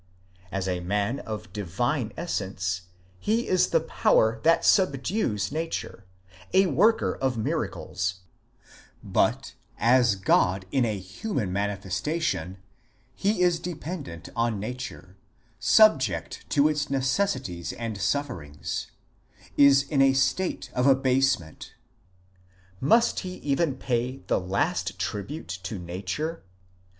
As a man of Divine essence, he is the power that subdues nature, a worker of miracles ; but as God in a human mani festation, he is dependent on nature, subject to its necessities and sufferings— is in a state of abasement. Must he even pay the last tribute to nature